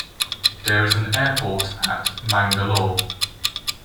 There is an airport at Mangalore.